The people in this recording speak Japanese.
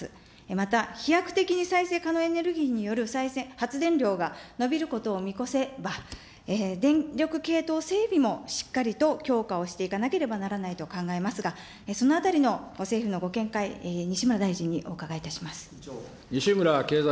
また飛躍的に再生可能エネルギーによる発電量が伸びることを見越せば、電力系統整備もしっかりと強化をしていかなければならないと考えますが、そのあたりの政府のご見解、西村大臣にお伺いいたします。